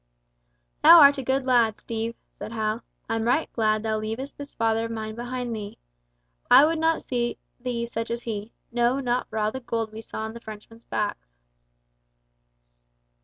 "Thou art a good lad, Steve," said Hal. "I'm right glad thou leavest this father of mine behind thee. I would not see thee such as he—no, not for all the gold we saw on the Frenchmen's backs."